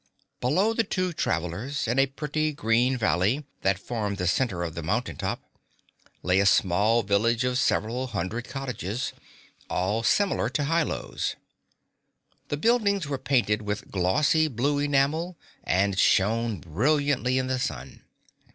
Below the two travelers, in a pretty green valley that formed the center of the mountain top, lay a small village of several hundred cottages, all similar to Hi Lo's. The buildings were painted with glossy blue enamel and shone brilliantly in the sun.